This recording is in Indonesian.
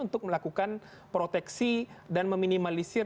untuk melakukan proteksi dan meminimalisir